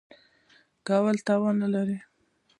کولو توان نه لرم .